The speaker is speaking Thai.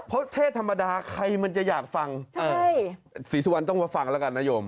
เพราะเทศธรรมดาใครมันจะอยากฟังศรีสุวรรณต้องมาฟังแล้วกันนโยม